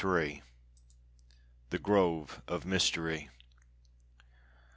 THE GROVE OF MYSTERY.